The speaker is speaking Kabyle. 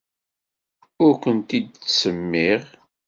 Ur kent-id-ttsemmiɣ.